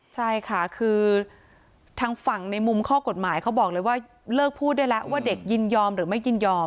ใช่ค่ะคือทางฝั่งในมุมข้อกฎหมายเขาบอกเลยว่าเลิกพูดได้แล้วว่าเด็กยินยอมหรือไม่ยินยอม